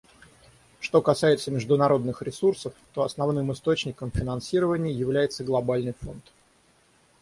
Что касается международных ресурсов, то основным источником финансирования является Глобальный фонд.